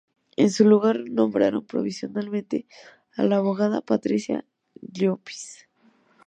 En su lugar nombraron provisionalmente a la abogada Patricia Llopis.